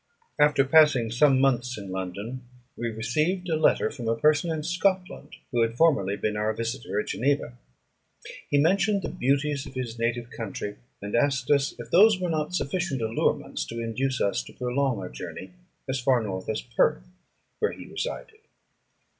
After passing some months in London, we received a letter from a person in Scotland, who had formerly been our visiter at Geneva. He mentioned the beauties of his native country, and asked us if those were not sufficient allurements to induce us to prolong our journey as far north as Perth, where he resided.